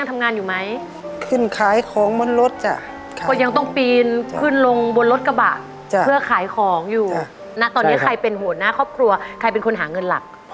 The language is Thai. มาเลยติด